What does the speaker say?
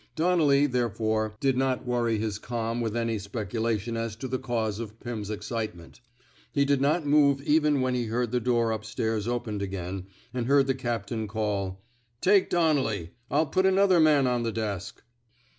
Donnelly, therefore, did not worry his calm with any speculation as to the cause of Pim's excitement. He did not move even when he heard the door up stairs opened again, and heard the captain call: ^^ Take Donnelly. I'll put another man on the desk.''